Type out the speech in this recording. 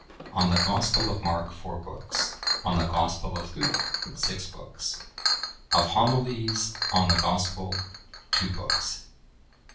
On the Gospel of Mark, four books. On the Gospel of Luke, six books. Of Homilies on the Gospel, two books.